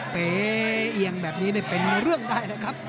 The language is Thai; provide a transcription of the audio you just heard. เป๋เอียงแบบนี้เป็นเรื่องได้นะครับ